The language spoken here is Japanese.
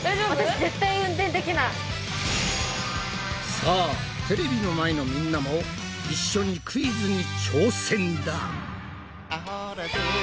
さあテレビの前のみんなも一緒にクイズに挑戦だ！